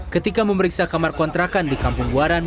ketika memeriksa kamar kontrakan di kampung buaran